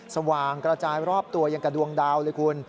สว่างกระจายรอบตัวอย่างกับดวงดาวเลยคุณ